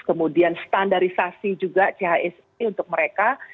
kemudian standarisasi juga chse untuk mereka